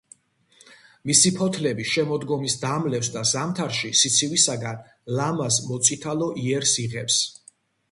მისი ფოთლები შემოდგომის დამლევს და ზამთარში სიცივისაგან ლამაზ მოწითალო იერს იღებს.